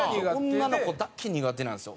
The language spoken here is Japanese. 女の子だけ苦手なんですよ。